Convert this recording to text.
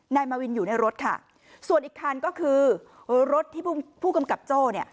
นายมาวินอยู่ในรถค่ะส่วนอีกคันก็คือรถที่ผู้กำกับโจ้เนี่ย